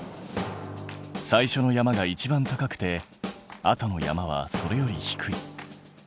最初の山がいちばん高くてあとの山はそれより低い。